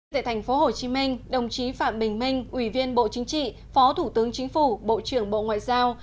tại thành phố hồ chí minh đồng chí phạm bình minh ủy viên bộ chính trị phó thủ tướng chính phủ bộ trưởng bộ ngoại giao